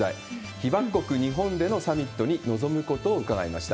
被爆国、日本でのサミットに臨むことを伺いました。